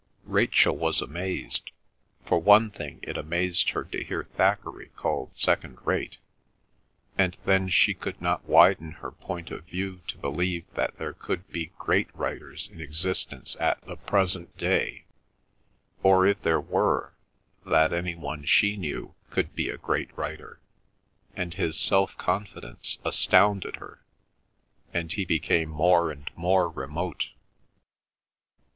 Rachel was amazed. For one thing it amazed her to hear Thackeray called second rate; and then she could not widen her point of view to believe that there could be great writers in existence at the present day, or if there were, that any one she knew could be a great writer, and his self confidence astounded her, and he became more and more remote.